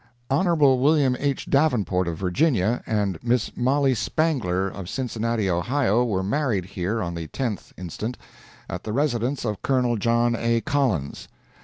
Hon. Wm. H. Davenport, of Virginia, and Miss Mollie Spangler, of Cincinnati, Ohio, were married here on the 10th instant, at the residence of Colonel John A. Collins.